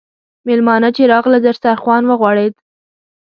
میلمانه چې راغلل، دسترخوان وغوړېد.